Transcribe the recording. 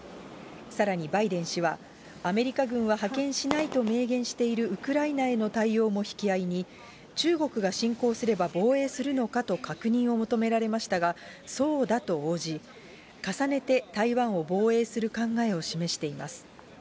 さらにバイデン氏は、アメリカ軍は派遣しないと明言しているウクライナへの対応も引き合いに、中国が侵攻すれば、防衛するのかと確認を求められましたが、そうだと応じ、重ねて台湾を防衛する考えを示しています。